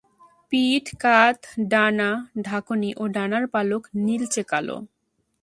পিঠ, কাঁধ, ডানা-ঢাকনি ও ডানার পালক নীলচে কালো।